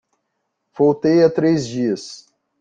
Voltei há três dias.